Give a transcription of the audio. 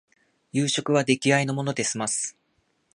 夕食は出来合いのもので済ます